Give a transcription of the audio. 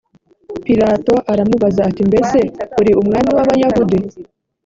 pilato aramubaza ati mbese uri umwami w abayahudi